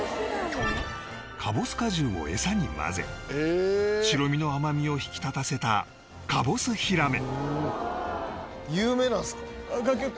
かぼす果汁をエサに混ぜ白身の甘みを引き立たせたかぼすヒラメ